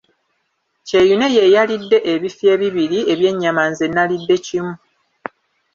Kyeyune ye yalidde ebifi ebibiri eby'ennyama nze nalidde kimu